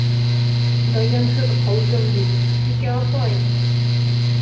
Даянһыҙ ҡалдым бит, Бикә апай!..